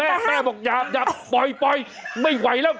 แม่แม่บอกอย่าปล่อยไม่ไหวแล้ว